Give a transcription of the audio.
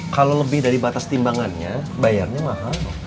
kalau lebih dari batas timbangannya bayarnya mahal